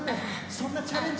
そんなチャレンジ